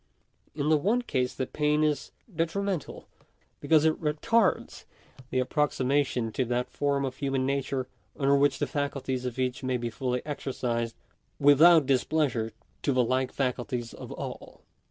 In the one case the pain is detrimental, because it retards the approximation to that form of human nature under which the faculties of each may be fully exercised without dis pleasure to the like faculties of all.